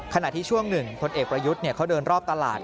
ขณะที่ช่วงหนึ่งพลเอกประยุทธ์เขาเดินรอบตลาด